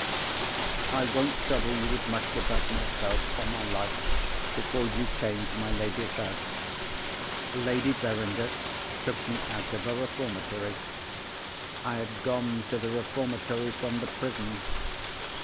"I won't trouble you with much about myself, or my life, before you came to my lady's house. Lady Verinder took me out of a reformatory. I had gone to the reformatory from the prison.